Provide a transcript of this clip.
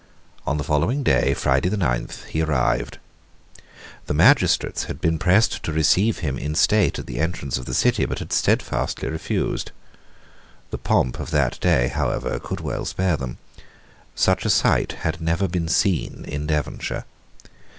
On the following day, Friday the ninth, he arrived. The magistrates had been pressed to receive him in state at the entrance of the city, but had steadfastly refused. The pomp of that day, however, could well spare them. Such a sight had never been seen in Devonshire.